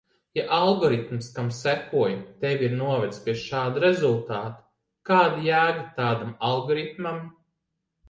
Ja algoritms, kam sekoji, tevi ir novedis pie šāda rezultāta, kāda jēga tādam algoritmam?